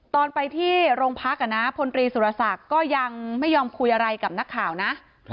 ตอนไปที่โรงพักพลตรีสุรศักดิ์ก็ยังไม่ยอมคุยอะไรกับนักข่าวนะ